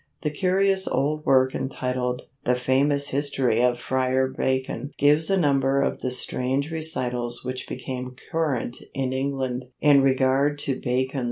The curious old work entitled "The Famous Historie of Fryar Bacon" gives a number of the strange recitals which became current in England in regard to Bacon's wonderful powers.